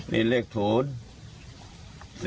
นี่เลขสูตร